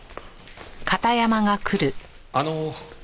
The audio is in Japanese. あの。